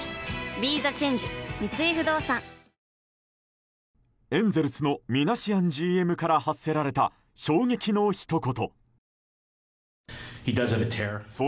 ＢＥＴＨＥＣＨＡＮＧＥ三井不動産エンゼルスのミナシアンＧＭから発せられた衝撃のひと言。